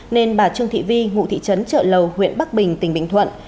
nên bà trương thị vi ngụ thị trấn trợ lầu huyện bắc bình tỉnh bình thuận